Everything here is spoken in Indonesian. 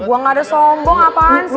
buang gak ada sombong apaan sih